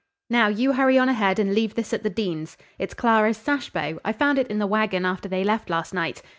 Now, you hurry on ahead and leave this at the Deans'. It's Clara's sash bow. I found it in the wagon after they left last night.